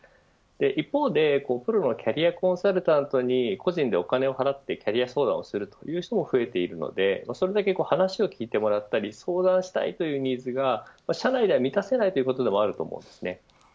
一方でプロのキャリアコンサルタントに個人でお金を払ってキャリア相談をする人も増えているのでそれだけ話を聞いてもらったり相談したいというニーズが社内では満たせないということだと思うんです。